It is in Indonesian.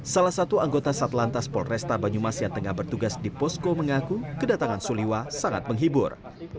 salah satu anggota satlantas polresta banyumas yang tengah bertugas di posko mengaku kedatangan suliwa sangat menghibur